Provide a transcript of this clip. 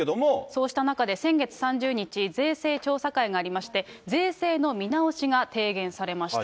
そうした中で先月３０日、税制調査会がありまして、税制の見直しが提言されました。